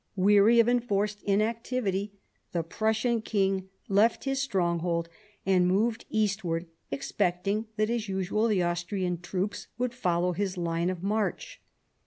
Weary of enforced inactivity, the Prussian king left his stronghold and moved eastward, expecting that as usual the Austrian troops would follow his line of march.